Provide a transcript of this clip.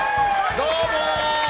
どうも！